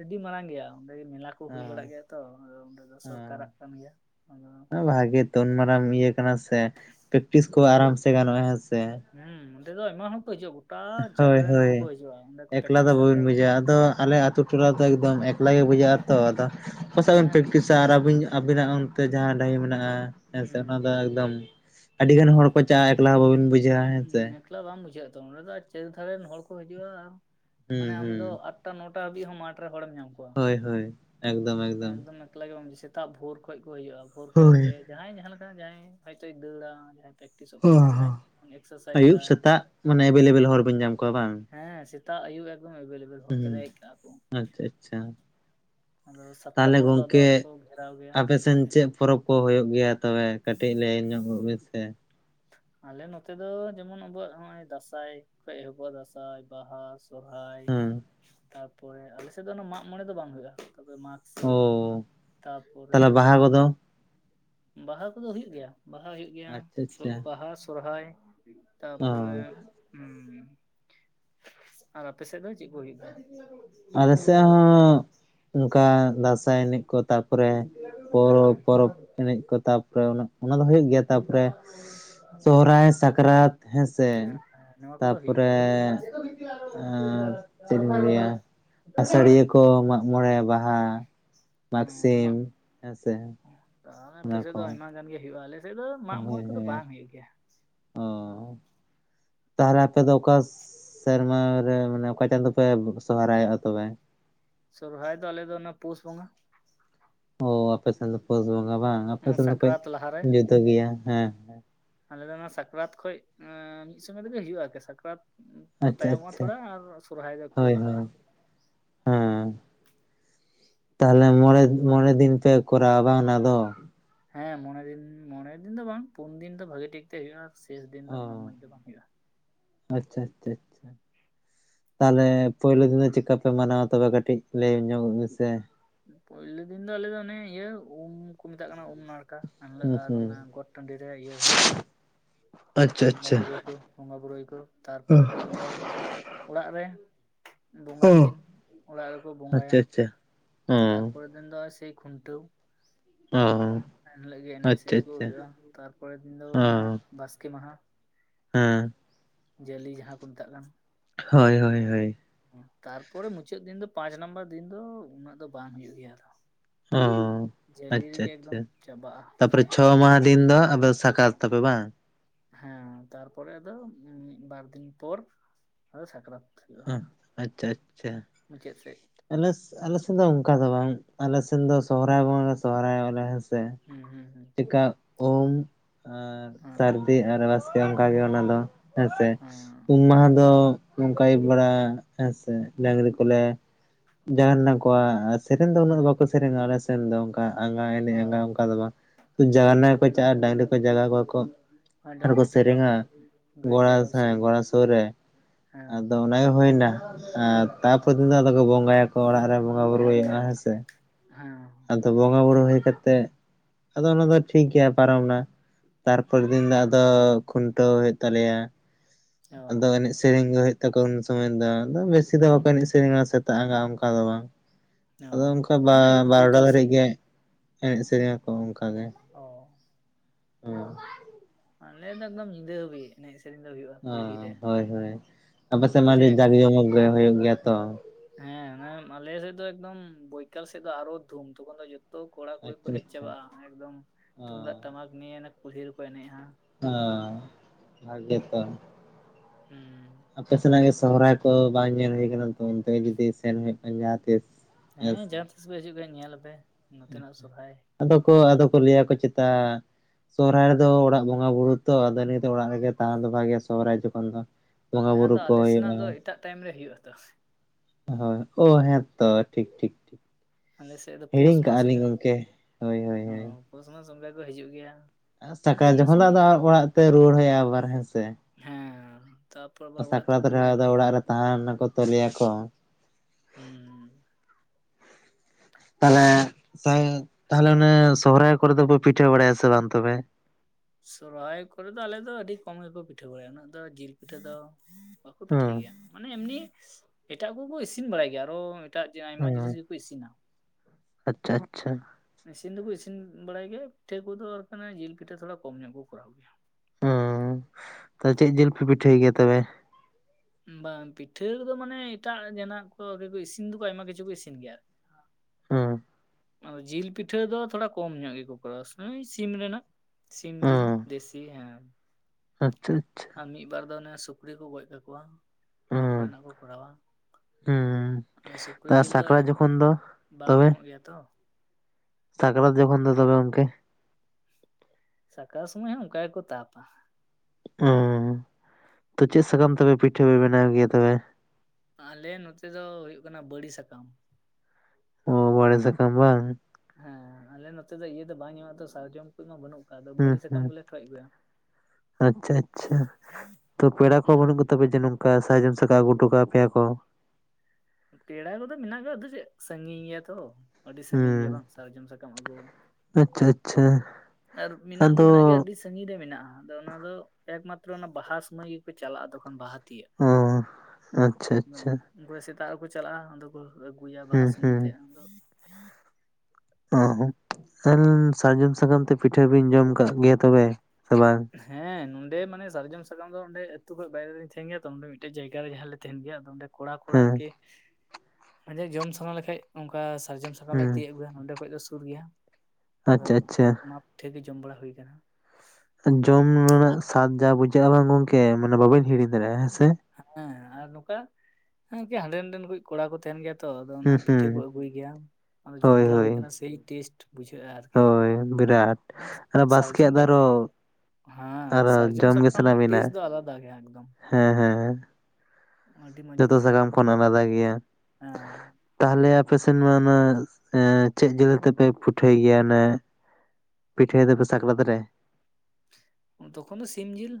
ᱟᱹᱰᱤ ᱢᱟᱨᱟᱝ ᱜᱮᱭᱟ, ᱚᱸᱰᱮ ᱢᱮᱞᱟ ᱠᱚ ᱠᱚ ᱦᱩᱭ ᱵᱟᱲᱟᱜ ᱦᱮᱸ ᱜᱮᱭᱟ ᱛᱚ ᱟᱫᱚ ᱚᱸᱰᱮ ᱫᱚ ᱥᱚᱨᱠᱟᱨᱟᱜ ᱦᱮᱸ ᱠᱟᱱ ᱜᱮᱭᱟ ᱟᱫᱚ, ᱵᱷᱟᱜᱮ ᱛᱤᱱ ᱢᱟᱨᱟᱝ ᱤᱭᱟᱹ ᱠᱟᱱᱟ ᱥᱮ ᱯᱮᱠᱴᱤᱥ ᱠᱚ ᱟᱨᱟᱢ ᱥᱮ ᱜᱟᱱᱚᱜᱼᱟ ᱦᱮᱸᱥᱮ ᱾ ᱦᱩᱸ ᱚᱸᱰᱮ ᱫᱚ ᱟᱭᱢᱟ ᱦᱚᱲ ᱠᱚ ᱦᱤᱡᱩᱜᱼᱟ ᱜᱚᱴᱟ ᱦᱳᱭ ᱡᱟᱭᱜᱟ ᱨᱮᱱ ᱦᱚᱲ ᱦᱳᱭ ᱠᱚ ᱦᱤᱡᱩᱜᱼᱟ ᱚᱸᱰᱮ ᱠᱚ ᱮᱠᱞᱟ ᱫᱚ ᱯᱮᱠᱴᱤᱥᱟ ᱟᱫᱚ ᱵᱟᱹᱵᱤᱱ ᱟᱫᱚ ᱟᱞᱮ ᱟᱛᱩ ᱴᱚᱞᱟᱫᱚ ᱮᱠᱫᱚᱢ ᱮᱠᱞᱟ ᱜᱮ ᱵᱩᱡᱷᱟᱹᱜ ᱟᱛᱚ ᱟᱫᱚ ᱚᱠᱚᱭ ᱥᱟᱶ ᱦᱮᱸ ᱟᱹᱛᱩ ᱯᱮᱠᱴᱤᱥᱟ ᱾ ᱴᱚᱞᱟ ᱟᱨ ᱟᱹᱵᱤᱱ ᱟᱹᱵᱤᱱᱟᱜ ᱚᱱᱛᱮ ᱡᱟᱦᱟᱸ ᱰᱟᱹᱦᱤ ᱢᱮᱱᱟᱜᱼᱟ ᱦᱮᱸ ᱥᱮ ᱚᱱᱟ ᱫᱚ ᱦᱩᱸ ᱮᱠᱫᱚᱢ ᱟᱹᱰᱤ ᱜᱟᱱ ᱦᱚᱲ ᱠᱚᱪᱟᱜ ᱮᱠᱞᱟ ᱦᱚᱸ ᱵᱟᱹᱵᱤᱱ ᱵᱩᱡᱷᱟᱹᱜᱣᱟ ᱦᱮᱸ ᱥᱮ ᱾ ᱮᱞᱟ ᱵᱟᱝ ᱵᱩᱡᱷᱟᱹᱜᱼᱟ ᱛᱟᱢᱟ ᱚᱸᱰᱮ ᱫᱚ ᱪᱟᱹᱨ ᱫᱷᱟᱨᱮᱱ ᱦᱚᱲ ᱠᱚ ᱦᱤᱡᱩᱜᱼᱟ ᱦᱩᱸ ᱢᱟᱱᱮ ᱟᱢ ᱦᱩᱸ ᱫᱚ ᱟᱴᱟ ᱱᱚᱴᱟ ᱦᱟᱹᱵᱤ ᱦᱚᱸ ᱢᱟᱴᱷ ᱨᱮ ᱦᱚᱲᱮᱢ ᱧᱟᱢ ᱠᱚᱣᱟ᱾ ᱦᱚᱭ ᱦᱚᱭ᱾ ᱮᱜᱽᱫᱚᱢ ᱮᱠ ᱮᱠᱫᱚᱢ ᱮᱠᱞᱟ ᱜᱮ ᱵᱟᱝ ᱫᱤᱥᱟ. ᱥᱮᱛᱟᱜ ᱵᱷᱩᱨ ᱠᱷᱚᱡ ᱠᱚ ᱦᱩᱡᱩᱜᱼᱟ ᱵᱷᱩᱨ ᱠᱷᱚᱡ ᱦᱳᱭ ᱡᱮ ᱡᱟᱦᱟᱸᱭ ᱡᱟᱦᱟᱸ ᱞᱮᱠᱟᱭ ᱡᱟᱦᱟᱸᱭ ᱦᱚᱭᱛᱚᱭ ᱫᱟᱹᱲᱟ᱾ ᱯᱨᱮᱠᱴᱤᱥᱚᱜ ᱚ ᱠᱟᱱᱟᱭ ᱦᱚ ᱡᱟᱦᱟᱸᱭ ᱮᱠᱥᱟᱨᱥᱟᱭᱤᱡ ᱟᱹᱭᱩᱵ ᱫᱟᱭ ᱥᱮᱛᱟᱜ ᱢᱟᱱᱮ ᱮᱵᱮᱞᱼᱮᱵᱮᱞ ᱦᱚᱲ ᱵᱤᱱ ᱧᱟᱢ ᱠᱚᱣᱟ ᱵᱟᱝ? ᱦᱮᱸ ᱥᱮᱛᱟᱜ ᱟᱹᱭᱩᱵ ᱮᱠᱫᱚᱢ ᱮᱵᱮᱞᱼᱮᱵᱮᱞ᱾ ᱩᱸᱻᱦᱩᱸ ᱟᱪᱪᱷᱟ ᱟᱪᱪᱷᱟ᱾ ᱟᱫᱚ ᱥᱟᱛᱴᱟ ᱛᱟᱦᱞᱮ ᱯᱚᱨ ᱫᱚ ᱟᱫᱚ ᱜᱚᱝᱠᱮ ᱠᱚ ᱜᱷᱮᱨᱟᱣ ᱜᱮᱭᱟ ᱟᱯᱮ ᱥᱮᱱ ᱢᱟᱱᱮ ᱪᱮᱫ ᱯᱚᱨᱚᱵᱽ ᱠᱩ ᱦᱩᱭᱩᱜ ᱜᱮᱭᱟ ᱛᱚᱵᱮ ᱠᱟᱹᱴᱤᱡ ᱞᱟᱹᱭ ᱧᱚᱜ ᱢᱮᱱᱥᱮ ᱟᱞᱮ ᱱᱚᱛᱮ ᱫᱚ ᱡᱮᱢᱚᱱ ᱟᱵᱚᱣᱟᱜ ᱱᱚᱜᱼᱚᱭ ᱫᱟᱸᱥᱟᱭ ᱠᱷᱚᱱ ᱮᱦᱚᱵᱚᱜᱼᱟ ᱫᱟᱸᱥᱟᱭ, ᱵᱟᱦᱟ, ᱥᱚᱨᱦᱟᱭ ᱦᱮᱸ ᱛᱟᱯᱚᱨᱮ ᱟᱞᱮᱥᱮᱫ ᱫᱚ ᱚᱱᱟ ᱢᱟᱜ ᱢᱚᱬᱮ ᱫᱚ ᱵᱟᱝ ᱦᱩᱭᱩᱜᱼᱟ ᱾ ᱛᱚᱵᱮ ᱢᱟᱜᱽ ᱚ ᱥᱤᱱ ᱛᱟᱯᱚᱨᱮ ᱛᱟᱦᱚᱞᱮ ᱵᱟᱦᱟ ᱠᱚᱫᱚ ᱵᱟᱦᱟ ᱠᱚ ᱫᱚ ᱦᱩᱭᱩᱜ ᱜᱮᱭᱟ? ᱵᱟᱦᱟ ᱦᱩᱭᱩᱜ ᱜᱮᱭᱟ ᱟᱪᱪᱷᱟ ᱟᱪᱪᱷᱟ ᱵᱟᱦᱟ, ᱥᱚᱨᱦᱟᱭ᱾ ᱚ ᱛᱟᱯᱚᱨᱮ ᱩᱸ ᱟᱨ ᱟᱯᱮ ᱥᱮᱫ ᱫᱚ ᱪᱮᱫ ᱠᱚ ᱦᱩᱭᱩᱜ ᱜᱮᱭᱟ? ᱟᱞᱮ ᱥᱮᱫ ᱦᱚᱸ ᱚᱱᱠᱟ ᱫᱟᱸᱥᱟᱭ ᱮᱱᱮᱡ ᱠᱚ ᱛᱟᱯᱚᱨᱮ ᱯᱚᱨᱚ ᱦᱩᱸ ᱯᱚᱨᱚᱵᱽ ᱮᱱᱮᱡ ᱠᱚ ᱛᱟᱵ ᱛᱟ. ᱚᱱᱟ ᱚᱱᱟ ᱫᱚ ᱦᱩᱭᱩᱜ ᱜᱮᱭᱟ ᱛᱟᱯᱚᱨᱮ ᱥᱚᱦᱨᱟᱭ, ᱥᱟᱠᱨᱟᱛ ᱦᱮᱸ ᱥᱮ ᱦᱮᱸ ᱱᱚᱣᱟ ᱠᱚᱫᱚ ᱦᱩᱭᱩᱜ ᱛᱟᱨᱯᱚᱨᱮ ᱜᱮᱭᱟ ᱮᱸ ᱪᱮᱫ ᱤᱧ ᱞᱟᱹᱭᱟ ᱟ. ᱥᱟᱹᱲᱤᱭᱟᱹ ᱠᱚ ᱢᱟᱜᱢᱚᱬᱮ, ᱵᱟᱦᱟ᱾ ᱢᱟᱜᱥᱤᱢ ᱦᱮᱸ ᱥᱮ? ᱛᱟ ᱠᱤᱪᱷᱩ ᱫᱚ ᱟᱭᱢᱟ ᱜᱟᱱ ᱜᱮ ᱦᱩᱭᱩᱜᱼᱟ ᱟᱞᱮᱥᱮᱫ ᱫᱚ ᱢᱟᱜ ᱢᱚᱬᱮ ᱠᱚᱫᱚ ᱵᱟᱝ ᱦᱩᱭᱩᱜ ᱜᱮᱭᱟ᱾ ᱚᱻ ᱛᱟᱦᱚᱞᱮ ᱟᱯᱮ ᱫᱚ ᱚᱠᱟ ᱥᱮᱨᱢᱟ ᱨᱮ ᱢᱟᱱᱮ ᱚᱠᱟ ᱪᱟᱸᱫᱚ ᱯᱮ ᱥᱚᱦᱨᱟᱭᱚᱜᱼᱟ ᱛᱚᱵᱮ? ᱥᱚᱨᱦᱟᱭ ᱫᱚ ᱟᱞᱮ ᱫᱚ ᱚᱱᱟ ᱯᱩᱥ ᱵᱚᱸᱜᱟ᱾ ᱚ ᱟᱯᱮ ᱥᱮᱱ ᱫᱚ ᱯᱩᱥ ᱵᱚᱸᱜᱟ ᱵᱟᱝ ᱟᱯᱮ ᱚᱱᱟ ᱥᱮᱱ ᱫᱚ ᱠᱟᱹᱡ ᱥᱟᱠᱨᱟᱛ ᱞᱟᱦᱟᱨᱮ ᱡᱩᱫᱟᱹ ᱜᱮᱭᱟ ᱦᱮᱸ᱾ ᱟᱞᱮ ᱫᱚ ᱚᱱᱟ ᱥᱟᱠᱨᱟᱛ ᱠᱷᱚᱡ ᱢᱤᱫ ᱥᱚᱸᱜᱮ ᱜᱮᱞᱮ ᱦᱤᱡᱩᱜᱼᱟ ᱟᱨᱠᱤ ᱥᱟᱠᱨᱟᱛ? ᱛᱚ ᱟᱪᱪᱷᱟ ᱛᱟᱭᱚᱢᱚᱜᱼᱟ ᱟᱪᱪᱷᱟ ᱛᱷᱚᱲᱟ ᱟᱨ ᱥᱚᱨᱦᱟᱭ ᱫᱚ ᱮᱠᱴᱩᱠᱩ ᱞᱟᱦᱟᱜᱼᱟ᱾ ᱩᱸ ᱛᱟᱦᱞᱮ ᱢᱚᱬᱮ ᱢᱚᱬᱮ ᱫᱤᱱ ᱯᱮ ᱠᱚᱨᱟ ᱵᱟᱝ ᱚᱱᱟ ᱫᱚ? ᱦᱮᱸ ᱢᱚᱬᱮ ᱫᱤᱱ ᱢᱚᱬᱮ ᱫᱤᱱ ᱫᱚ ᱵᱟᱝ ᱯᱩᱱ ᱫᱤᱱ ᱫᱚ ᱵᱷᱟ. ᱜᱤ ᱴᱷᱤᱠ ᱛᱮ ᱦᱩᱭᱩᱜᱼᱟ ᱟᱨ ᱥᱮᱥ ᱫᱤᱱ ᱫᱚ ᱚ ᱩᱱᱟᱹᱜ ᱢᱚᱸᱡᱽ ᱫᱚ ᱵᱟᱝ ᱦᱩᱭᱩᱼᱟ᱾ ᱟᱪᱪᱷᱟ ᱟᱪᱪᱷᱟ ᱟᱪᱪᱷᱟ᱾ ᱛᱟᱦᱚᱞᱮ ᱯᱩᱭᱞᱩ ᱫᱤᱱ ᱫᱚ ᱪᱤᱠᱟ ᱯᱮ ᱢᱟᱱᱟᱣᱟ ᱛᱚᱵᱮ ᱠᱟᱹᱴᱤᱡ ᱞᱟᱹᱭ ᱧᱚᱜ ᱢᱮᱥᱮ᱾ ᱯᱩᱭᱞᱩ ᱫᱤᱱ ᱫᱚ ᱟᱞᱮ ᱫᱚ ᱚᱱᱮ ᱤᱭᱟᱹ ᱩᱢ ᱠᱚ ᱢᱮᱛᱟᱜ ᱠᱟᱱᱟ ᱩᱢ ᱱᱟᱲᱠᱟ᱾ ᱮᱱ ᱦᱤᱞᱟᱹᱜ ᱦᱩᱸ ᱟᱨ ᱦᱩᱸ ᱚᱱᱟ ᱜᱚᱴ ᱴᱟᱺᱰᱤ ᱨᱮ ᱤᱭᱟᱹ ᱦᱩᱭᱩᱜᱼᱟ᱾ ᱟᱪᱪᱷᱟ ᱵᱚᱸᱜᱟ ᱟᱪᱪᱷᱟ ᱵᱩᱨᱩᱭ ᱠᱩ ᱵᱚᱸᱜᱟ ᱵᱩᱨᱩᱭᱟᱠᱚ ᱚ ᱛᱟᱨᱯᱚᱨᱮ ᱫᱤᱱ ᱫᱚ ᱚᱲᱟᱜ ᱨᱮ ᱵᱚᱸᱜᱟᱱ ᱫᱤᱱ ᱚᱲᱟᱜ ᱨᱮᱠᱚ ᱵᱚᱸᱜᱟᱭᱟ ᱟᱪᱪᱷᱟ ᱟᱪᱪᱷᱟ ᱚ ᱛᱟᱨ ᱯᱚᱨᱮ ᱫ ᱢᱮᱱ ᱫᱚ ᱟᱨ ᱥᱤᱭ ᱠᱷᱩᱱᱴᱟᱹᱣ᱾ ᱚᱦᱚ᱾ ᱮᱱᱦᱤᱞᱟᱹᱜ ᱜᱮ ᱮᱱᱮᱡ ᱥᱮᱨᱮᱧ ᱠᱚ ᱦᱩᱭᱩᱜᱼᱟ ᱛᱟᱨ ᱯᱚᱨᱮᱨ ᱫᱤᱱ ᱫᱚ ᱚ ᱚᱱᱮ ᱵᱟᱥᱠᱮ ᱢᱟᱦᱟ ᱦᱮᱸ᱾ ᱡᱟᱹᱞᱤ ᱡᱟᱦᱟᱸ ᱠᱚ ᱢᱮᱛᱟᱜ ᱠᱟᱱ᱾ ᱦᱚᱭ ᱦᱚᱭ ᱦᱚᱭ᱾ ᱛᱟᱨ ᱯᱚᱨᱮ ᱢᱩᱪᱟᱹᱫ ᱫᱤᱱ ᱫᱚ ᱯᱟᱸᱪ ᱱᱟ. ᱢᱵᱟ. ᱨ ᱫᱤᱱ ᱫᱚ ᱩᱱᱟᱹᱜ ᱫᱚ ᱵᱟᱝ ᱦᱩᱭᱩᱜ ᱜᱮᱭᱟ᱾ ᱚ ᱡᱟᱹᱞᱤ ᱨᱮ ᱟᱪᱪᱷᱟ ᱜᱮ ᱮᱠᱫᱚᱢ ᱟᱪᱪᱷᱟ ᱪᱟᱵᱟ᱾ ᱛᱟᱯᱚᱨᱮ ᱪᱷᱚ ᱢᱟᱦᱟ ᱫᱤᱱ ᱫᱚ ᱟᱫᱚ ᱥᱟᱠᱨᱟᱛ ᱛᱟᱯᱮ ᱵᱟᱝ? ᱦᱮᱸ ᱛᱟᱨᱯᱚᱨᱮ ᱫᱚ ᱵᱟᱨ ᱫᱤᱱ ᱯᱚᱨ ᱟᱫᱚ ᱥᱟᱠᱨᱟᱛ ᱦᱩᱭᱩᱜᱼᱟ ᱫᱚ ᱚ ᱢᱩᱪᱟᱹᱫ ᱥᱮᱫ ᱟᱞ ᱟᱞᱮ ᱥᱮᱱ ᱫᱚ ᱚᱱᱠᱟ ᱫᱚ ᱵᱟᱝ ᱟᱞᱮ ᱥᱮᱱ ᱫᱚ ᱥᱚᱦᱨᱟᱭ ᱵᱚᱸᱜᱟ ᱥᱚᱦᱨᱟᱭᱚᱜ - ᱟ ᱞᱮ ᱦᱩᱸ ᱦᱩᱸ ᱦᱩᱸ ᱦᱮᱸ ᱪᱠᱟᱢᱟᱨ [inaudible] ᱟᱨ ᱵᱟᱥᱠᱮ ᱚᱱᱠᱟᱜ ᱜᱮ ᱚᱱᱟ ᱫᱚ ᱦᱮᱸ ᱥᱮ ᱩᱢ ᱢᱟᱦᱟ ᱫᱚ ᱱᱚᱝᱠᱟ ᱟᱹᱭᱩᱵ ᱵᱮᱲᱟ ᱦᱮᱸ ᱥᱮ ᱰᱟᱝᱨᱤ ᱦᱩᱸ ᱠᱚᱞᱮ ᱡᱟᱱ ᱱᱟ ᱠᱚᱣᱟ ᱥᱮᱨᱮᱧ ᱫᱚ ᱦᱮᱸ ᱩᱱᱟᱹᱜ ᱫᱚ ᱵᱟᱠᱚ ᱥᱮᱨᱮᱧᱟ ᱟᱞᱮ ᱥᱮᱱ ᱫᱚ ᱚᱱᱠᱟ ᱟᱸᱜᱟ ᱮᱱᱮᱡ ᱚ ᱚᱱᱠᱟ ᱫᱚ ᱵᱟᱝ ᱦᱮᱸ ᱡᱟᱜᱜᱟᱼᱱᱱᱼᱟ ᱠᱚ ᱪᱟᱜᱼᱟ ᱰᱟᱝᱨᱤ ᱠᱚ ᱡᱟᱜᱟᱣ ᱠᱚᱣᱟ ᱠᱚ ᱦᱮᱸ ᱟᱨᱼᱠᱚ ᱰᱟᱹᱝᱨᱤ ᱡᱟᱜᱟᱣ ᱥᱮᱨᱮᱧᱟ ᱜᱟᱹᱭ ᱡᱟᱜᱟᱣ ᱜᱚᱸᱲᱟᱥᱟᱭ ᱥᱮᱨᱮᱧ ᱠᱚ ᱜᱚᱸᱲᱟ ᱥᱩᱨ ᱨᱮ ᱦᱮᱸ ᱟᱫᱚ ᱚᱱᱟᱜᱮ ᱦᱩᱭᱱᱟ ᱟᱨ ᱚ ᱛᱟᱯᱚᱨ ᱫᱤᱱ ᱫᱚ ᱟᱫᱚ ᱠᱚ ᱵᱚᱸᱜᱟᱭᱟᱠᱚ ᱚᱲᱟᱜ ᱨᱮ ᱵᱚᱸᱜᱟ ᱵᱩᱨᱩᱭᱼᱟ ᱦᱮᱸ ᱥᱮ ᱾ ᱦᱩᱸᱻ ᱟᱫᱚ ᱵᱚᱸᱜᱼᱟ ᱵᱩᱨᱩ ᱦᱩᱭ ᱠᱟᱛᱮᱫ ᱟᱫᱚ ᱚᱱᱟ ᱫᱚ ᱴᱷᱤᱠ ᱜᱮᱭᱟ ᱯᱟᱨᱚᱢᱱᱟ ᱛᱟᱨᱯᱚᱨᱮᱨ ᱦᱩᱸ ᱫᱤᱱ ᱫᱚ ᱟᱫᱚ ᱠᱷᱩᱱᱴᱟᱹᱣ ᱦᱩᱭᱩᱜ ᱛᱟᱞᱮᱭᱟ ᱾ ᱚ ᱟᱫᱚ ᱮᱱᱮᱡ ᱥᱮᱨᱮᱧ ᱜᱮ ᱦᱩᱭᱩᱜ ᱛᱟᱠᱚᱣᱟ ᱩᱱ ᱥᱚᱢᱟᱹᱭ ᱫᱚ ᱵᱮᱥᱤ ᱫᱚ ᱦᱩᱸ ᱵᱟᱠᱚ ᱮᱱᱮᱡ ᱛᱤᱦᱤᱧ ᱥᱮᱛᱟᱜ ᱟᱸᱜᱟ ᱚᱱᱠᱟ ᱫᱚ ᱵᱟᱝ ᱚ ᱟᱫᱚ ᱚᱱᱠᱟ ᱦᱮᱸ ᱟᱹᱭᱩᱵ ᱵᱟᱨᱚᱴᱟ ᱵᱳᱭᱠᱟᱞ ᱫᱷᱟᱹᱨᱤᱡ ᱥᱮᱫ ᱜᱮ, ᱚ ᱮᱱᱮᱡ ᱥᱮᱨᱮᱧᱟᱠᱚ ᱚᱱᱠᱟ ᱜᱮ᱾ᱚᱻ ᱚ ᱟᱞᱮ ᱫᱚ ᱮᱠᱫᱚᱢ ᱧᱤᱱᱫᱟᱹ ᱦᱟᱹᱵᱤᱡ ᱮᱱᱮᱡ ᱥᱮᱨᱮᱧ ᱫᱚ ᱦᱩᱭᱩᱜᱼᱟ᱾ ᱠᱩᱞᱦᱤ ᱚᱦᱚ ᱨᱮ ᱦᱚᱭ ᱦᱚᱭ ᱟᱯᱮᱥᱮᱫ ᱠᱩᱞᱦᱤ ᱢᱟ ᱟᱹᱰᱤ ᱨᱮ ᱡᱟᱠ ᱡᱚᱢᱚᱠ ᱜᱮ ᱦᱩᱭᱩᱜ ᱜᱮᱭᱟ ᱛᱚ᱾ ᱦᱮᱸ ᱚᱱᱮ ᱢᱟᱞᱮ ᱥᱮᱫ ᱫᱚ ᱮᱠᱫᱚᱢ ᱵᱩᱭᱠᱷᱟ. ᱞ ᱥᱮᱫᱚ ᱟᱨᱚ ᱫᱷᱩᱢ ᱛᱚᱠᱷᱚᱱ ᱫᱚ ᱛᱚ ᱠᱚᱲᱟ, ᱠᱩᱲᱤ ᱠᱚ ᱟᱪᱪᱷᱟ ᱦᱮᱡᱽ ᱟᱪᱪᱷᱟ ᱪᱟᱵᱟᱜᱼᱟ ᱮᱠᱫᱚᱢ ᱚ ᱛᱩᱢᱫᱟᱜ, ᱴᱟᱢᱟᱠ ᱱᱤᱭᱮ ᱠᱩᱞᱦᱤ ᱨᱮᱠᱚ ᱮᱱᱮᱡᱼᱟ ᱾ ᱦᱮᱸ ᱵᱷᱟᱜᱮ ᱛᱚ ᱦᱮᱸ ᱟᱯᱮ ᱥᱮᱱᱟᱜ ᱜᱮ ᱥᱚᱦᱚᱨᱟᱭ ᱠᱚ ᱵᱟᱝ ᱧᱮᱞ ᱦᱩᱭ ᱟᱠᱟᱱᱟ ᱛᱚ ᱚᱱᱛᱮ ᱜᱮ ᱡᱩᱫᱤ ᱥᱮᱱ ᱦᱩᱭᱩᱜ ᱠᱷᱟᱱ ᱡᱟᱦᱟᱸ ᱛᱤᱥ ᱦᱮᱸ ᱡᱟᱦᱟᱸ ᱛᱤᱥ ᱯᱮ ᱦᱤᱡᱩᱜ ᱯᱮ ᱧᱮᱞ ᱟᱯᱮ ᱱᱚᱛᱮᱱᱟᱜ ᱥᱚᱨᱦᱟᱭ ᱟᱫᱚ ᱠᱚ ᱟᱫᱚ ᱠᱚ ᱞᱟᱹᱭᱟᱼᱠᱚ ᱪᱮᱛᱟ ᱥᱚᱦᱨᱟᱭ ᱨᱮᱫᱚ ᱚᱲᱟᱜ ᱵᱚᱸᱜᱟ ᱵᱩᱨᱩ ᱛᱚ ᱟᱫᱚ ᱱᱤᱛ ᱚᱲᱟᱜ ᱨᱮᱜᱮ ᱛᱟᱦᱮ ᱫᱚ ᱵᱷᱟᱜᱮᱭᱼᱟ ᱥᱚᱦᱚᱨᱟᱭ ᱡᱚᱠᱷᱚᱱ ᱫᱚ ᱵᱚᱸᱜᱟ ᱵᱩᱨᱩ ᱦᱮᱸᱫᱚ ᱠᱚ ᱟᱞᱮ ᱥᱮᱱᱟᱜ ᱦᱩᱭᱩᱜᱼᱟ ᱫᱚ ᱮᱴᱟᱜ ᱴᱟᱭᱤᱢ ᱨᱮ ᱦᱳᱭ ᱟᱛᱚ᱾ ᱦᱳᱭ ᱳᱼ ᱦᱮᱸᱼᱛᱚ ᱴᱷᱤᱠ ᱴᱷᱤᱠ ᱴᱷᱤᱠ ᱟᱞᱮ ᱥᱮᱫ ᱫᱚ ᱦᱤᱲᱤᱧ ᱯᱳᱥᱢᱟᱥ ᱠᱟᱜᱼᱟ ᱞᱤᱧ ᱦᱩᱭᱩᱜᱼᱟ ᱜᱚᱝᱠᱮ ᱦᱳᱭ ᱦᱳᱭ ᱦᱳᱭ ᱚ ᱯᱳᱥᱢᱟᱥ ᱚᱱᱠᱟ ᱠᱚ ᱦᱤᱡᱩᱜ ᱜᱮᱭᱟ ᱾ ᱥᱟᱠᱨᱟᱛ ᱡᱚᱠᱷᱚᱱ ᱫᱚ ᱟᱫᱚ ᱚᱲᱟᱜ ᱛᱮ ᱨᱩᱣᱟᱹᱲ ᱦᱩᱭᱩᱜᱼᱟ ᱟᱵᱟᱨ ᱦᱮᱸᱥᱮ ᱦᱮᱸ ᱛᱟᱯᱚᱨ ᱟᱵᱟᱨ ᱾ ᱚᱲᱟᱜ ᱛᱮᱢ ᱥᱟᱠᱨᱟᱛ ᱨᱮ ᱨᱩᱣᱟᱹᱲᱮᱱ ᱫᱚ ᱜᱮ ᱚᱲᱟᱜ ᱨᱮ ᱛᱟᱦᱮᱸᱱᱟ ᱠᱚ ᱛᱚᱞᱮᱼᱭᱟᱠᱚ ᱦᱩᱸᱻ ᱛᱟᱞᱮ ᱛᱟᱦᱚᱞᱮ ᱚᱱᱮ ᱥᱚᱦᱨᱟᱭ ᱠᱚᱨᱮ ᱫᱚ ᱯᱮ ᱯᱤᱴᱷᱟᱹ ᱵᱟᱲᱟᱭᱼᱟ ᱥᱮ ᱵᱟᱝ ᱛᱚᱵᱮ? ᱥᱚᱨᱚᱦᱟᱭ ᱠᱚᱨᱮ ᱫᱚ ᱟᱞᱮ ᱫᱚ ᱟᱹᱰᱤ ᱠᱚᱢ ᱜᱮᱠᱚ ᱯᱤᱴᱷᱟᱹ ᱵᱟᱲᱟᱭᱟ ᱩᱱᱟᱹᱜ ᱫᱚ ᱡᱤᱞ ᱯᱤᱴᱷᱟᱹ ᱫᱚ ᱯᱤᱴᱷᱟᱹᱭ ᱦᱮᱸ ᱜᱮᱭᱟ ᱢᱟᱱᱮ ᱮᱢᱱᱤ ᱮᱴᱟᱜ ᱠᱚᱠᱚ ᱤᱥᱤᱱ ᱵᱟᱲᱟᱭ ᱜᱮᱭᱟ ᱟᱨᱚ ᱮᱴᱟᱜ ᱡᱮ ᱟᱭᱢᱟ ᱡᱤᱱᱤᱥ ᱦᱮᱸ ᱜᱮᱠᱚ ᱤᱥᱤᱱᱟ ᱟᱪᱪᱷᱟ ᱟᱪᱪᱷᱟ ᱤᱥᱤᱱ ᱫᱚᱠᱚ ᱤᱥᱤᱱ ᱵᱟᱲᱟᱭ ᱜᱮᱭᱟ ᱯᱤᱴᱷᱟᱹ ᱠᱚᱫᱚ ᱡᱤᱞ ᱯᱤᱴᱷᱟᱹ ᱛᱷᱚᱲᱟ ᱠᱚᱢ ᱧᱚᱜ ᱠᱚ ᱠᱚᱨᱟᱣ ᱜᱮᱭᱟ ᱾ ᱦᱚᱸ ᱛᱟᱞᱦᱮ ᱪᱮᱫ ᱡᱤᱞ ᱯᱮ ᱯᱤᱴᱷᱟᱹᱭ ᱜᱮᱭᱟ ᱛᱚᱵᱮ? ᱵᱟᱝ ᱯᱤᱴᱷᱟᱹ ᱨᱮᱫᱚ ᱢᱟᱱᱮ ᱮᱴᱟᱜ ᱡᱟᱱᱟᱜ ᱠᱚ ᱤᱥᱤᱱ ᱫᱚᱠᱚ ᱟᱭᱢᱟ ᱠᱤᱪᱷᱩ ᱠᱚ ᱤᱥᱤᱱ ᱜᱮᱭᱟ ᱟᱨ ᱦᱮᱸ ᱚ ᱡᱤᱞ ᱯᱤᱴᱷᱟᱹ ᱫᱚ ᱛᱷᱚᱲᱟ ᱠᱚᱢ ᱧᱚᱜ ᱜᱮᱠᱚ ᱠᱚᱨᱟᱣᱟᱭ ᱥᱤᱢ ᱨᱮᱱᱟᱜ ᱾ ᱥᱤᱢ ᱡᱤᱞ ᱦᱮᱸ ᱫᱮᱥᱤ ᱦᱮᱸᱻ ᱟᱪᱪᱷᱟ ᱟᱪᱪᱷᱟ ᱟᱨ ᱢᱤᱫ, ᱵᱟᱨ ᱫᱚ ᱚᱱᱮ ᱥᱩᱠᱨᱤ ᱠᱚ ᱜᱚᱡᱽ ᱠᱟᱠᱚᱣᱼᱟ ᱚᱱᱟ ᱦᱮᱸ ᱠᱚᱨᱮᱱᱟᱜ ᱠᱚ ᱠᱚᱨᱟᱣᱼᱟ ᱦᱮᱸ ᱾ ᱟᱨ ᱥᱩᱠᱨᱤ ᱡᱤᱞ ᱫᱚ ᱥᱟᱠᱨᱟᱛ ᱡᱚᱠᱷᱚᱱ ᱫᱚ ᱵᱟᱝ ᱛᱚᱵᱮ ᱧᱟᱢᱚᱜ ᱜᱮᱭᱟ ᱛᱚ ᱥᱟᱠᱨᱟᱛ ᱡᱚᱠᱷᱚᱱ ᱫᱚ ᱛᱚᱵᱮ ᱜᱚᱢᱠᱮ? ᱥᱟᱠᱟᱞ ᱥᱚᱢᱚᱭ ᱦᱚᱸ ᱚᱱᱠᱟ ᱜᱮᱠᱚ ᱛᱟᱼᱯᱟ ᱚᱻ ᱛᱚ ᱪᱮᱫ ᱥᱟᱠᱟᱢ ᱛᱮ ᱯᱮ ᱯᱤᱴᱷᱟᱹ ᱯᱮ ᱵᱮᱱᱟᱣ ᱜᱮᱭᱟ ᱛᱚᱵᱮ ᱟᱞᱮ ᱱᱚᱛᱮ ᱫᱚ ᱦᱩᱭᱩᱜ ᱠᱟᱱᱟ ᱵᱟᱹᱲᱤ ᱥᱟᱠᱟᱢ ᱾ ᱚᱻ ᱵᱟᱲᱮ ᱥᱟᱠᱟᱢ ᱵᱟᱝ? ᱦᱮᱸ ᱟᱞᱮ ᱱᱚᱛᱮ ᱫᱚ ᱤᱭᱟᱹ ᱫᱚ ᱵᱟᱝ ᱧᱟᱢᱚᱜ - ᱟ ᱛᱚ ᱥᱟᱨᱡᱚᱢ ᱢᱟ ᱵᱟᱹᱱᱩᱜ ᱠᱟᱜᱼᱟ ᱟᱫᱚ ᱦᱩᱸ ᱵᱟᱹᱲᱤ ᱥᱟᱠᱟᱢ ᱦᱩᱸ ᱜᱮᱞᱮ ᱴᱷᱚᱡ ᱟᱹᱜᱩᱭᱼᱟ ᱾ ᱟᱪᱪᱷᱟ ᱟᱪᱪᱷᱟ ᱛᱚ ᱯᱮᱲᱟ ᱠᱚ ᱚᱱᱟ ᱵᱟᱱᱩᱜ ᱛᱚᱵᱮ ᱡᱮ ᱱᱚᱝᱠᱟ ᱥᱟᱨᱡᱚᱢ ᱥᱟᱠᱟᱢ ᱟᱹᱜᱩ ᱴᱚ ᱠᱟᱜ ᱯᱮᱭᱟ ᱠᱚ ᱯᱮᱲᱟ ᱠᱚᱫᱚ ᱢᱮᱱᱟᱜ ᱠᱟᱜ ᱟᱫᱚ ᱪᱮᱫ ᱥᱟᱸᱜᱤᱧ ᱜᱮᱭᱟ ᱛᱚ ᱟᱹᱰᱤ ᱥᱟᱺᱜᱤᱧ ᱜᱮᱭᱟ ᱦᱩᱸ ᱵᱟᱝ ᱥᱟᱨᱡᱚᱢ ᱥᱟᱠᱟᱢ ᱟᱹᱜᱩ ᱟᱪᱪᱷᱟ ᱟᱪᱪᱷᱟ ᱦᱟᱨᱩᱵ ᱢᱮᱱᱟᱜ ᱫᱚ ᱢᱮᱱᱟᱜ ᱜᱮᱭᱟ ᱟᱫᱚ ᱛᱤᱥ ᱥᱟᱺᱜᱤᱧ ᱨᱮ ᱢᱮᱱᱟᱜ-ᱟ ᱟᱫᱚ ᱚᱱᱟ ᱫᱚ ᱮᱠᱢᱟᱛᱨᱚ ᱚᱱᱟ ᱵᱟᱦᱟ ᱥᱳᱢᱚᱭ ᱜᱮᱠᱚᱮ ᱪᱟᱞᱟᱜ-ᱟ ᱛᱚᱠᱷᱚᱱ ᱵᱟᱦᱟ ᱛᱤᱭᱟᱹᱜ ᱚ ᱟᱪᱪᱷᱟ ᱟᱪᱪᱷᱟ ᱩᱱᱠᱩ ᱥᱮᱛᱟᱜ ᱨᱮᱠᱚ ᱪᱟᱞᱟᱜ-ᱟ ᱟᱫᱚ ᱠᱚ ᱟᱹᱜᱩᱭᱟ ᱵᱟᱦᱟ ᱦᱩᱸ ᱥᱚᱢᱚᱭ ᱦᱩᱸ ᱛᱮ ᱟᱫᱚ ᱚᱦᱚ ᱥᱟᱨᱡᱚᱢ ᱥᱟᱠᱟᱢ ᱛᱮ ᱯᱤᱴᱷᱟᱹ ᱵᱤᱱ ᱡᱚᱢ ᱠᱟᱜ ᱜᱮᱭᱟ ᱛᱚᱵᱮ ᱥᱮ ᱵᱟᱝ ᱦᱮᱸ ᱱᱚᱸᱰᱮ ᱢᱟᱱᱮ ᱥᱟᱨᱡᱚᱢ ᱥᱟᱠᱟᱢ ᱫᱚ ᱚᱸᱰᱮ ᱟᱹᱛᱩ ᱠᱷᱚᱡ ᱵᱟᱭᱨᱮ ᱨᱮᱧ ᱛᱟᱦᱮᱸᱱ ᱜᱮᱭᱟ ᱛᱚ ᱱᱚᱸᱰᱮ ᱢᱤᱫᱴᱮᱡ ᱡᱟᱭᱜᱟ ᱨᱮ ᱡᱟᱦᱟᱸ ᱨᱮ ᱞᱮ ᱛᱟᱦᱮᱸᱱ ᱜᱮᱭᱟ ᱟᱫᱚ ᱚᱸᱰᱮ ᱠᱚᱲᱟ ᱠᱚᱲᱟ ᱦᱮᱸ ᱟᱨᱠᱤ ᱢᱟᱡᱷᱮ ᱡᱚᱢ ᱥᱟᱱᱟ ᱞᱮᱠᱷᱟᱡ ᱚᱱᱠᱟ ᱥᱟᱨᱡᱚᱢ ᱥᱟᱠᱟᱢ ᱞᱮ ᱦᱩᱸ ᱛᱤᱭᱳᱜ ᱟᱹᱜᱩᱭᱼᱟ ᱱᱚᱰᱮ ᱠᱷᱚᱡᱽ ᱫᱚ ᱥᱩᱨ ᱜᱮᱭᱟ ᱾ ᱟᱫᱚ ᱟᱪᱪᱷᱟ ᱟᱪᱪᱷᱟ ᱢᱟ ᱯᱤᱴᱷᱟᱹ ᱜᱮ ᱡᱚᱢ ᱵᱟᱲᱟ ᱦᱩᱭ ᱠᱟᱱᱟ ᱾ ᱡᱚᱢ ᱨᱮᱱᱟᱜ ᱥᱟᱫ ᱡᱟ ᱵᱩᱡᱷᱟᱹᱜ-ᱟ ᱵᱟᱝ ᱜᱚᱝᱠᱮ ᱢᱟᱱᱮ ᱵᱟᱵᱮᱱ ᱦᱤᱲᱤᱧ ᱫᱟᱲᱮᱭᱟᱜ-ᱟ ᱦᱮᱸ ᱥᱮ ᱦᱮᱸ ᱟᱨ ᱱᱚᱠᱟ ᱦᱮᱸ ᱠᱤ ᱦᱟᱸᱰᱮ ᱱᱟᱰᱮᱱ ᱠᱩᱡ ᱠᱚᱲᱟ ᱠᱚ ᱛᱟᱦᱮᱱ ᱜᱮᱭᱟ᱾ ᱛᱚ ᱟᱫᱚ ᱚᱱᱮ ᱦᱩᱸ ᱯᱤᱴᱷᱟᱹ ᱦᱩᱸ ᱠᱚ ᱟᱹᱜᱩᱭ ᱜᱮᱭᱟ᱾ ᱟᱫᱚ ᱡᱚᱢ ᱦᱳᱭ ᱵᱟᱲᱟ ᱦᱩᱭ ᱦᱳᱭ ᱟᱠᱟᱱᱟ ᱥᱮᱭ ᱴᱮᱥᱴ ᱵᱩᱡᱷᱟᱹᱜ-ᱟ ᱟᱨᱠᱤ ᱦᱳᱭ ᱵᱤᱨᱟᱴ ᱟᱨ ᱥᱟᱨᱡᱚᱢ ᱵᱟᱥᱠᱮᱭᱟᱜ ᱫᱚ ᱴᱟᱜ ᱟᱨᱚ ᱦᱮᱸ ᱟᱨᱚ ᱥᱟᱨᱡᱚᱢ ᱡᱚᱢ ᱜᱮ ᱥᱟᱱᱟ ᱨᱮᱱᱟᱜ ᱵᱤᱱᱟ ᱴᱮᱥᱴ ᱫᱚ ᱟᱞᱟᱫᱟ ᱜᱮᱭᱟ ᱮᱠᱫᱚᱢ ᱦᱮᱸ ᱦᱮᱸ ᱦᱮᱸ ᱟᱹᱰᱤ ᱢᱚᱸᱡᱽ ᱡᱚᱛᱚ ᱵᱩᱡᱷᱟᱹᱜᱼᱟ ᱥᱟᱠᱟᱢ ᱠᱷᱚᱱ ᱟᱞᱟᱫᱟ ᱜᱮᱭᱟ᱾ ᱦᱮᱸ ᱛᱟᱦᱚᱞᱮ ᱟᱯᱮ ᱥᱮᱱ ᱢᱟ ᱚᱱᱟ ᱮ ᱪᱮᱫ ᱡᱤᱞ ᱛᱮᱯᱮ ᱯᱩᱴᱷᱟᱹᱭ ᱜᱮᱭᱟ ᱚᱱᱟ ᱯᱤᱴᱷᱟᱹᱭ ᱫᱟ ᱠᱚ ᱥᱟᱠᱨᱟᱛ ᱨᱮ ᱛᱚᱠᱷᱚᱱ ᱫᱚ ᱥᱤᱢ ᱡᱤᱞ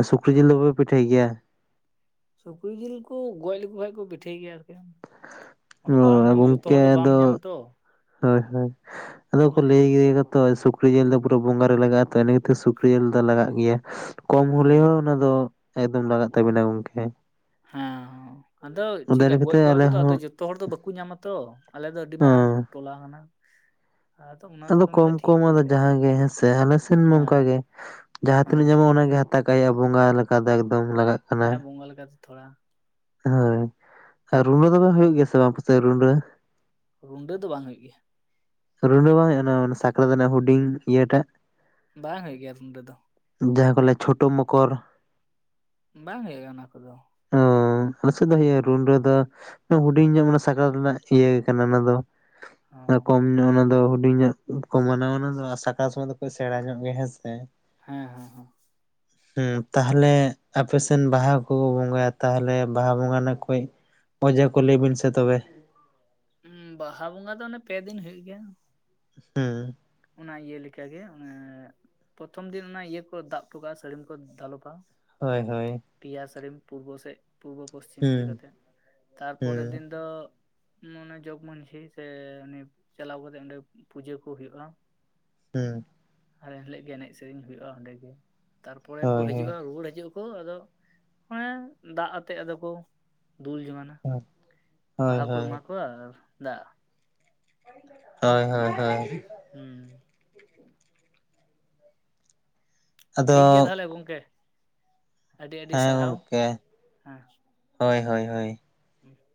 ᱚ ᱥᱩᱠᱨᱤ ᱡᱤᱞ ᱫᱚ ᱵᱟᱯᱮ ᱯᱤᱴᱷᱟᱹᱭ ᱜᱮᱭᱟ ᱥᱩᱠᱨᱤ ᱡᱤᱞ ᱠᱚ ᱜᱚᱡ ᱞᱮᱠᱚ ᱠᱷᱟᱡ ᱠᱚ ᱯᱤᱴᱷᱟᱹᱭ ᱜᱮᱭᱟ ᱟᱨᱠᱤ ᱟᱫᱚ ᱵᱟᱝ ᱧᱟᱢᱟ ᱡᱚᱛᱚ ᱦᱚᱲ ᱫᱚ ᱵᱟᱢ ᱧᱟᱢᱟ ᱛᱚ ᱦᱮᱸ ᱦᱮᱸ ᱟᱫᱚ ᱠᱚ ᱦᱮᱸ ᱞᱟᱹᱭ ᱛᱚᱵᱮ ᱥᱩᱠᱨᱤ ᱡᱤᱞ ᱫᱚ ᱯᱩᱨᱟᱹ ᱵᱚᱸᱜᱟ ᱨᱮ ᱞᱟᱜᱟᱜ-ᱟ ᱛᱚ ᱤᱱᱟᱹ ᱠᱷᱟ. ᱛᱤᱨ ᱥᱩᱠᱨᱤ ᱡᱤᱞ ᱫᱚ ᱞᱟᱜᱟᱜ ᱜᱮᱭᱟ᱾ ᱠᱚᱢ ᱦᱚᱞᱮ ᱦᱚᱸ ᱚᱱᱟ ᱫᱚ ᱮᱠᱫᱚᱢ ᱞᱟᱜᱟᱜ ᱛᱟᱵᱮᱱᱟ ᱜᱚᱝᱠᱮ ᱦᱮᱸ ᱦᱚᱸ ᱟᱫᱚ ᱪᱮᱫ ᱠᱟ ᱤᱱᱟᱹ ᱜᱚᱡ ᱠᱟᱛᱮ ᱠᱚᱣᱟ ᱟᱞᱮ ᱠᱚᱫᱚ ᱟᱫᱚ ᱦᱚᱸ ᱡᱚᱛᱚ ᱦᱚᱲ ᱫᱚ ᱵᱟᱠᱚ ᱧᱟᱢᱟ ᱛᱚ ᱟᱞᱮ ᱫᱚ ᱟᱹᱰᱤ ᱢᱟᱨᱟᱝ ᱦᱮᱸ ᱴᱚᱞᱟ ᱠᱟᱱᱟ᱾ ᱚᱱᱟ ᱟᱫᱚ ᱛᱮᱠᱚ ᱢᱮᱱᱫᱟ ᱠᱚᱢ ᱴᱷᱤᱠ ᱠᱚᱢ ᱠᱚᱜ ᱟᱫᱚ ᱜᱮᱭᱟ ᱡᱟᱦᱟᱸᱭ ᱜᱮ ᱦᱮᱸ ᱥᱮ ᱦᱟᱱᱮ ᱥᱮᱱ ᱱᱚᱝᱠᱟ ᱦᱮᱸ ᱜᱮ ᱡᱟᱦᱟᱸ ᱛᱤᱱᱟᱹᱜ ᱦᱮᱸ ᱧᱟᱢᱚᱜ-ᱟ ᱚᱱᱟ ᱜᱮ ᱛᱟᱠᱟᱭᱟ ᱵᱚᱸᱜᱟ ᱞᱮᱠᱟ ᱫᱚ ᱮᱠᱫᱚᱢ ᱞᱟᱜᱟᱜ ᱦᱮᱸ ᱵᱚᱸᱜᱟ ᱞᱮᱠᱟ ᱛᱮ ᱛᱷᱚᱲᱟ ᱦᱮᱸ ᱟᱨ ᱨᱩᱰᱟᱹ ᱫᱚ ᱵᱟᱝ ᱦᱩᱭᱩᱜ ᱜᱮᱭᱟ ᱥᱮ ᱵᱟᱝ ᱯᱟᱥᱮ ᱨᱩᱰᱟᱹ ᱨᱩᱰᱟᱹ ᱫᱚ ᱵᱟᱝ ᱦᱩᱭᱩᱜ ᱜᱮᱭᱟ ᱨᱩᱰᱟᱹ ᱵᱟᱝ ᱦᱩᱭᱩᱜ-ᱟ ᱚᱱᱟ ᱥᱟᱠᱨᱟᱛ ᱨᱮᱱᱟᱜ ᱦᱩᱰᱤᱧ ᱤᱭᱟᱹ ᱴᱟᱜ ᱵᱟᱝ ᱦᱩᱭᱩᱜ ᱜᱮᱭᱟ ᱨᱩᱰᱟᱹ ᱫᱚ ᱡᱟᱦᱟᱸ ᱠᱚ ᱞᱟᱹᱭᱟ ᱪᱷᱳᱴᱳ ᱢᱚᱠᱚᱨ ᱵᱟᱝ ᱦᱩᱭᱩᱜ-ᱟ ᱚᱱᱟ ᱠᱚᱫᱚ ᱚ ᱟᱪᱪᱷᱟ ᱫᱚ ᱱᱤᱭᱟᱹ ᱨᱩᱰᱟᱹ ᱫᱚ ᱦᱩᱰᱤᱧ ᱜᱮᱭᱟ ᱢᱟᱱᱮ ᱥᱟᱠᱨᱟᱛ ᱨᱮᱱᱟᱜ ᱤᱭᱟᱹ ᱠᱟᱱᱟ ᱚᱱᱟ ᱫᱚ᱾ ᱦᱚᱸ ᱠᱚᱢ ᱧᱚᱜ ᱚᱱᱟ ᱫᱚ ᱦᱩᱰᱤᱧ ᱧᱚᱜ ᱠᱚ ᱢᱟᱱᱟᱣᱟ ᱚᱱᱟ ᱫᱚ ᱥᱟᱠᱨᱟᱛ ᱥᱚᱢᱚᱭ ᱫᱚᱠᱚ ᱥᱮᱬᱟ ᱧᱚᱜ ᱜᱮ ᱦᱮᱸ ᱥᱮ ᱦᱮᱸ ᱦᱮᱸ ᱦᱮᱸ [inaudible] ᱦᱩᱸ ᱛᱟᱦᱚᱞᱮ ᱟᱯᱮ ᱥᱮᱱ ᱵᱟᱦᱟ ᱠᱚ ᱵᱚᱸᱜᱟᱭᱟ ᱛᱟᱦᱚᱞᱮ ᱵᱟᱦᱟ ᱵᱚᱸᱜᱟ ᱨᱮᱱᱟᱜ ᱠᱚᱭᱮᱠ ᱢᱚᱡᱟ ᱠᱚ ᱞᱟᱹᱭ ᱵᱮᱱ ᱥᱮ ᱛᱚᱵᱮ ᱩᱸ ᱵᱟᱦᱟ ᱵᱚᱸᱜᱟ ᱫᱚ ᱚᱱᱮ ᱯᱮ ᱫᱤᱱ ᱦᱩᱭᱩᱜ ᱜᱮᱭᱟ᱾ ᱦᱩᱸ ᱚᱱᱟ ᱤᱭᱟᱹ ᱞᱮᱠᱟ ᱜᱮ ᱚᱱᱮ ᱯᱨᱚᱛᱷᱚᱢ ᱫᱤᱱ ᱚᱱᱟ ᱤᱭᱟᱹ ᱠᱚ ᱫᱟᱵ ᱴᱚ ᱠᱟᱜ-ᱟ ᱥᱟᱹᱲᱤᱢ ᱠᱚ ᱫᱟᱞᱚᱵᱟ ᱦᱳᱭ ᱦᱳᱭ ᱯᱮᱭᱟ ᱥᱟᱹᱲᱤᱢ ᱯᱩᱨᱵᱚ ᱥᱮᱫ ᱯᱩᱨᱵᱚ ᱯᱚᱪᱷᱤᱢ ᱤᱭᱟᱹ ᱦᱮᱸ ᱠᱟᱛᱮᱫ ᱦᱮᱸ ᱛᱟᱨᱯᱚᱨᱮᱨ ᱫᱤᱱ ᱫᱚ ᱢᱚᱱᱮ ᱡᱚᱜᱽ ᱢᱚᱱᱥᱤ ᱥᱮ ᱩᱱᱤ ᱪᱟᱞᱟᱣ ᱠᱟᱛᱮᱜ ᱚᱸᱰᱮ ᱯᱩᱡᱟᱹ ᱠᱚ ᱦᱩᱭᱩᱜᱼᱟ᱾ ᱦᱩᱸ ᱮᱞ ᱮᱱ ᱦᱤᱞᱳᱜ ᱜᱮ ᱮᱱᱮᱡ ᱥᱮᱨᱮᱧ ᱦᱩᱭᱩᱜᱼᱟ ᱚᱸᱰᱮ ᱜᱮ ᱛᱟᱨᱯᱚᱨᱮ ᱠᱚ ᱦᱳᱭ ᱦᱳᱭ ᱦᱤᱡᱩᱜᱼᱟ ᱨᱩᱣᱟᱹᱲ ᱦᱤᱡᱩᱜᱼᱟ᱾ ᱠᱚ ᱟᱫᱚ ᱟᱱᱮ ᱫᱟᱜ ᱟᱛᱮᱜ ᱟᱫᱚ ᱠᱚ ᱫᱩᱞ ᱡᱚᱝ ᱟᱱᱟ ᱾ ᱦᱳᱭ ᱵᱟᱦᱟ ᱠᱚ ᱦᱳᱭ ᱮᱢᱟ ᱠᱚᱣᱟ, ᱟᱨ ᱫᱟᱜ ᱦᱳᱭ ᱦᱳᱭ ᱦᱳᱭ, ᱦᱩᱸ ᱟᱫᱚ ᱴᱷᱤᱠ ᱜᱮᱭᱟ ᱛᱟᱦᱞᱮ ᱜᱚᱢᱠᱮ᱾ ᱦᱮᱸ ᱜᱚᱝᱠᱮ ᱦᱮᱸ ᱦᱳᱭ ᱦᱳᱭ ᱦᱳᱭ᱾ [unintelligible]